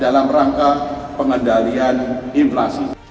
dalam rangka pengendalian inflasi